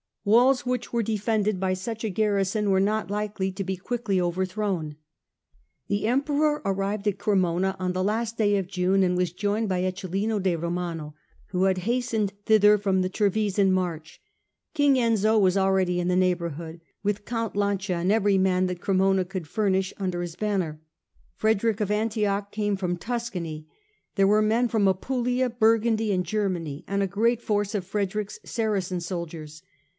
Walls which were defended by such a garrison were not likely to be quickly overthrown. The Emperor arrived at Cremona on the last day of June, and was joined by Eccelin de Romano, who had hastened thither from the Trevisan March. King Enzio was already in the neighbourhood, with Count Lancia and every man that Cremona could furnish under his banner. Frederick of Antioch came from Tuscany. There were men from Apulia, Burgundy and Germany, and a great force of Frederick's Saracen soldiers.